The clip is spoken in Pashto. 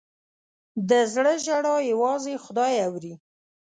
د زړه ژړا یوازې خدای اوري.